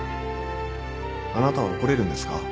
あなたは怒れるんですか？